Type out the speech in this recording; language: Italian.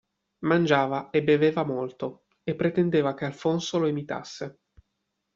Mangiava e beveva molto, e pretendeva che Alfonso lo imitasse.